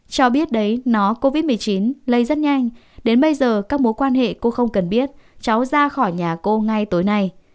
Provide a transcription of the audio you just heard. cho biết đấy nó covid một mươi chín lây rất nhanh đến bây giờ các mối quan hệ cô không cần biết cháu ra khỏi nhà cô ngay tối nay